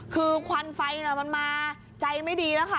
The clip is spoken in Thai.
คือควันไฟมันมาใจไม่ดีแล้วค่ะ